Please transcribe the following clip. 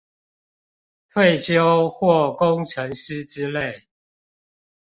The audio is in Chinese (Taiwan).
退休或工程師之類